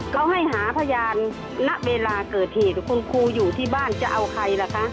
เขาให้หาพยานณเวลาเกิดเหตุคุณครูอยู่ที่บ้านจะเอาใครล่ะคะ